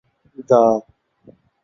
گا